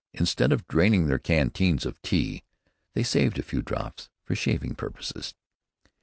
Instead of draining their canteens of tea, they saved a few drops for shaving purposes.